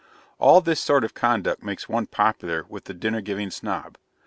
All this sort of conduct makes one popular with the Dinner giving Snob.